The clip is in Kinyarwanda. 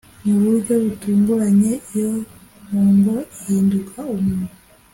mu buryo butunguranye iyo mpongo ihinduka umuntu.